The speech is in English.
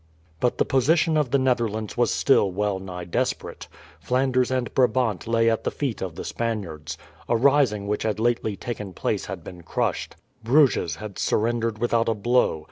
But the position of the Netherlands was still well nigh desperate. Flanders and Brabant lay at the feet of the Spaniards. A rising which had lately taken place had been crushed. Bruges had surrendered without a blow.